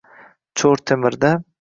Cho’r temirda